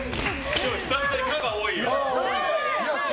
今日久々に可が多いよ。